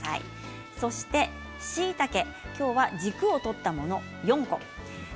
そして、しいたけ今日は軸を取ったものを４個です。